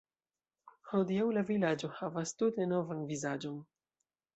Hodiaŭ la vilaĝo havas tute novan vizaĝon.